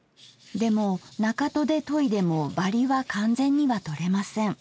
でも中砥で研いでもバリは完全には取れません。